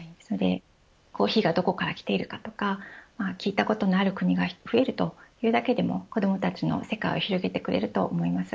コーヒーがどこから来ているか、とか聞いたことのある国が増えるだけでも子どもたちの世界を広げてくれると思います。